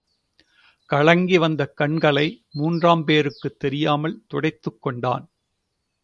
கலங்கி வந்த கண்களை மூன்றாம் பேருக்குத் தெரியாமல் துடைத்துக் கொண்டான்.